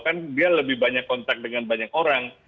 kan dia lebih banyak kontak dengan banyak orang